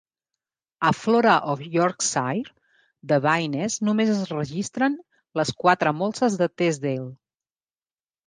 A "Flora of Yorkshire" de Baines només es registren les quatre molses de Teesdale.